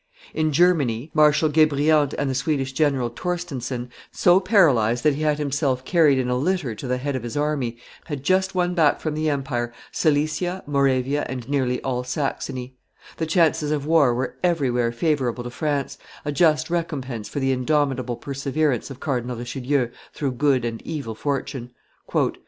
In Germany, Marshal Guebriant and the Swedish general Torstenson, so paralyzed that he had himself carried in a litter to the head of his army, had just won back from the empire Silesia, Moravia, and nearly all Saxony; the chances of war were everywhere favorable to France, a just recompense for the indomitable perseverance of Cardinal Richelieu through good and evil fortune.